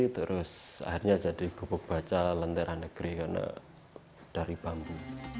terus akhirnya jadi gubuk baca lentera negeri karena dari bambu